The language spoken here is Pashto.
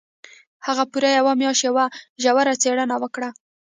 هغه پوره یوه میاشت یوه ژوره څېړنه وکړه